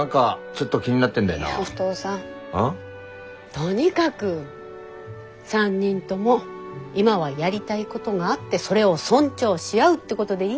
とにかく３人とも今はやりたいことがあってそれを尊重し合うってことでいい？